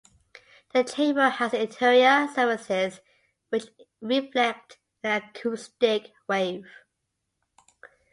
The chamber has interior surfaces which reflect an acoustic wave.